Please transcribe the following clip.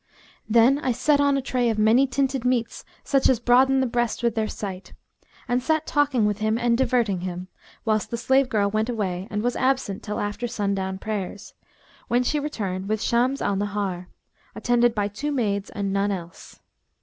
[FN#211] Then I set on a tray of many tinted meats such as broaden the breast with their sight, and sat talking with him and diverting him, whilst the slave girl went away and was absent till after sundown prayers, when she returned with Shams al Nahar, attended by two maids and none else.